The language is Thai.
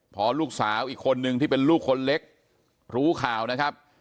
พอลูกสาวอีกคนนึงที่เป็นลูกคนเล็กรู้ข่าวนะครับ